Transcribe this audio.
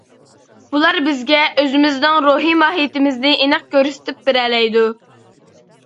بۇلار بىزگە ئۆزىمىزنىڭ روھىي ماھىيىتىمىزنى ئېنىق كۆرسىتىپ بېرەلەيدۇ.